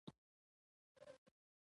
هر کله چې خوشاله وئ وعده مه کوئ.